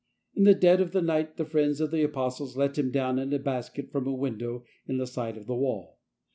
In the dead of the night the friends of the Apostles let him down in a basket from a win dow in the side of the wall.